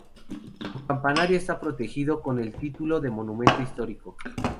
Su campanario está protegido con el título de Monumento Histórico.